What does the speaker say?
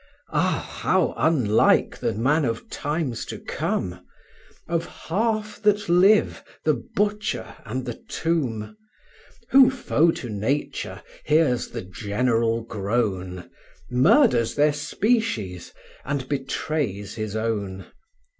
Ah! how unlike the man of times to come! Of half that live the butcher and the tomb; Who, foe to nature, hears the general groan, Murders their species, and betrays his own.